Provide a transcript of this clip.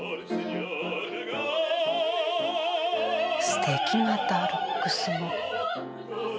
すてきまたルックスも。